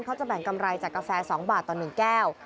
จะแบ่งกำไรจากกาแฟ๒บาทต่อ๑แก้ว